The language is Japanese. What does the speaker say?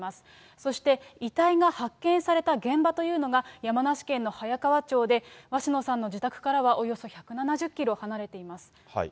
そして、遺体が発見された現場というのが、山梨県の早川町で、鷲野さんの自宅からはおよそ１７０キロ離れています。